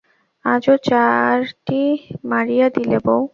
আজও চারটিা মাড়িয়ে দিলে বৌ!